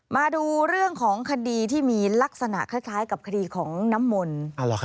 มาดูเรื่องของคดีที่มีลักษณะคล้ายกับคดีของน้ำมนต์